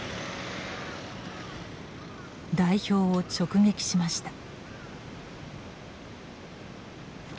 代表を直撃しました。